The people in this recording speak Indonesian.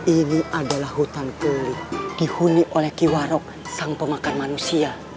ini adalah hutan kulit dihuni oleh kiwarok sang pemakan manusia